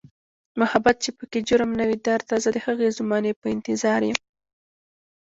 محبت چې پکې جرم نه وي درده، زه د هغې زمانې په انتظاریم